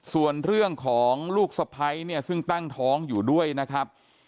ส่วนเรื่องของลูกสะพ้ายเนี่ยซึ่งตั้งท้องอยู่ด้วยนะครับ